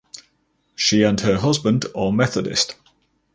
She and her husband are Methodist.